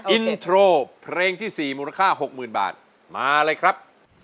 อินโทรเพลงที่๔มูลค่า๖๐๐๐บาทมาเลยครับ